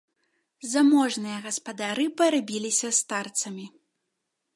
Заможныя гаспадары парабіліся старцамі.